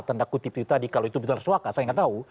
tanda kutip itu tadi kalau itu betul suaka saya nggak tahu